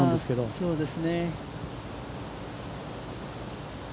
そうですね。